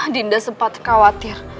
dinda sempat khawatir